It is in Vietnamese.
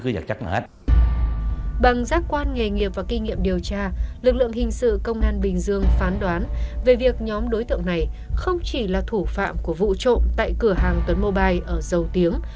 bằng giác quan nghề nghiệp và kinh nghiệm điều tra lực lượng hình sự công an bình dương phán đoán về việc nhóm đối tượng này không chỉ là thủ phạm của vụ trộm tại cửa hàng tuấn mobile ở dầu tiếng